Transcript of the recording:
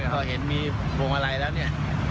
พอเห็นมีโพมะลายแล้วเนี่ย